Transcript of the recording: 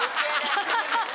ハハハハ。